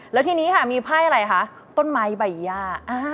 แล้วทีนี้ค่ะมีไพ่อะไรคะต้นไม้ใบย่า